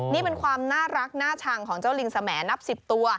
นี่เป็นความน่ารักน่าชังของเจ้าลิงสมับ๑๐ตัว